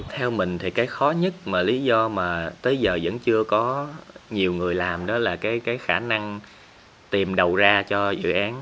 theo mình thì cái khó nhất mà lý do mà tới giờ vẫn chưa có nhiều người làm đó là cái khả năng tìm đầu ra cho dự án